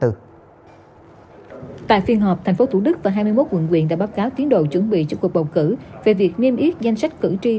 tại phiên họp tp hcm và hai mươi một quận quyền đã báo cáo tiến đồ chuẩn bị cho cuộc bầu cử về việc miêm yết danh sách cử tri